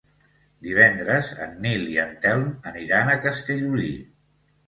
Divendres en Nil i en Telm aniran a Castellolí.